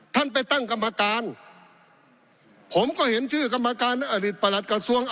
ท่านไปตั้งกรรมการผมก็เห็นชื่อกรรมการอดีตประหลัดกระทรวง